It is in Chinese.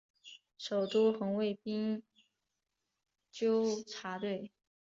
首都红卫兵纠察队。